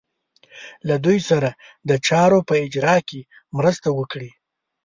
له دوی سره د چارو په اجرا کې مرسته وکړي.